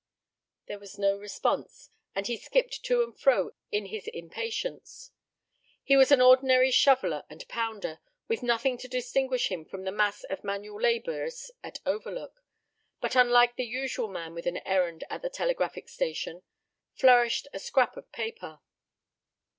There was no response, and he skipped to and fro in his impatience. He was an ordinary shoveler and pounder, with nothing to distinguish him from the mass of manual laborers at Overlook, but, unlike the usual man with an errand at the telegraphic station, flourished a scrap of paper.